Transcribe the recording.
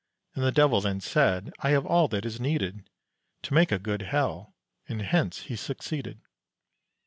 And the devil then said, "I have all that is needed To make a good hell," and hence he succeeded.